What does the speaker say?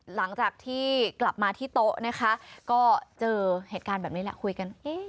หลังจากที่กลับมาที่โต๊ะนะคะก็เจอเหตุการณ์แบบนี้แหละคุยกัน